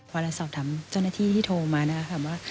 พอเราสอบถามเจ้าหน้าที่ที่โทรมานะคะถามว่า